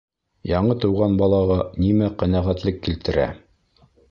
Яңы тыуған балаға нимә ҡәнәғәтлек килтерә?